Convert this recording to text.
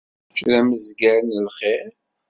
Kečč d amezzgar n lxiṛ.